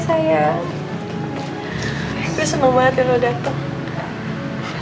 saya senang banget yang lo dateng